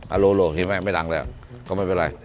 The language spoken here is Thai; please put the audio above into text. อโลกเห็นไหมไม่ดังแล้วก็ไม่เป็นไร